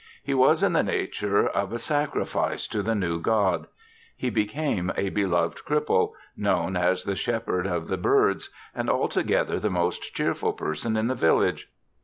He was in the nature of a sacrifice to the new god. He became a beloved cripple, known as the Shepherd of the Birds and altogether the most cheerful person in the village.